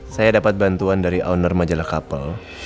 saya dapat bantuan dari owner majalah kapal